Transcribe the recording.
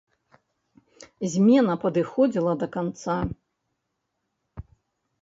Змена падыходзіла да канца.